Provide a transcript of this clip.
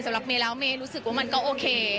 สำหรับเมย์แล้วเมย์รู้สึกว่ามันก็โอเค